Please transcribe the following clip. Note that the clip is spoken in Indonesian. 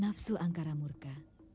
nafsu angkara murka